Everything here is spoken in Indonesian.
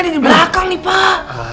ada di belakang nih pak